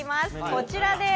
こちらです